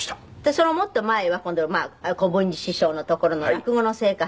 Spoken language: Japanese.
そのもっと前は今度は小文治師匠のところの落語の生活。